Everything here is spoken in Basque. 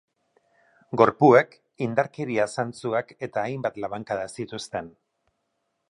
Gorpuek indarkeria-zantzuak eta hainbat labankada zituzten.